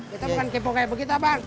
kita bukan kepo kayak begitu apa